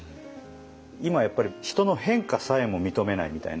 今やっぱり人の変化さえも認めないみたいな。